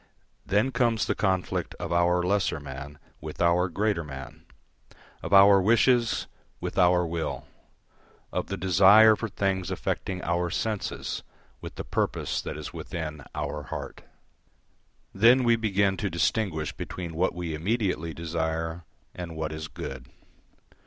Then comes the conflict of our lesser man with our greater man, of our wishes with our will, of the desire for things affecting our senses with the purpose that is within our heart. Then we begin to distinguish between what we immediately desire and what is good.